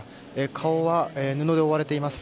顔は布で覆われています。